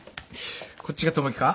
こっちが友樹か？